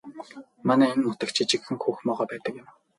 Манай энэ нутагт жижигхэн хөх могой байдаг юм.